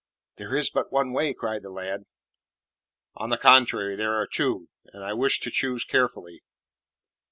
"There is but one way," cried the lad. "On the contrary, there are two, and I wish to choose carefully."